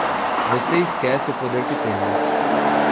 Você esquece o poder que temos.